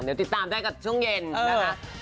เดี๋ยวติดตามได้กับช่วงเย็นนะคะ